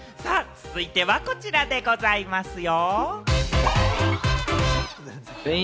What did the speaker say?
続いてはこちらでございますよ。